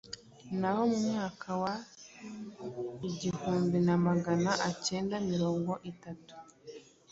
Naho mu mwaka wa igihumbi Magana acyenda mirongo itatu,